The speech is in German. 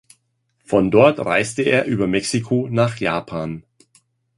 Von dort reiste er über Mexiko nach Japan.